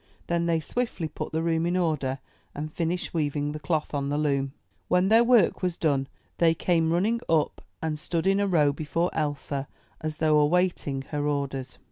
Then they swiftly put the room in order and finished weaving the cloth on the loom. When their work was done, they came running up and stood in a row before Elsa, as though awaiting her orders.